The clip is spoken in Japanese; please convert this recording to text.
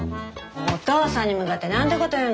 お父さんに向かって何てこと言うの。